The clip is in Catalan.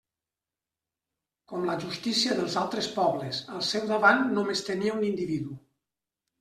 Com la justícia dels altres pobles, al seu davant només tenia un individu.